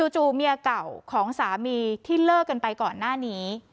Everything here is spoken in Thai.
เมียเก่าของสามีที่เลิกกันไปก่อนหน้านี้